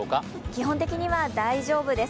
基本的には大丈夫です。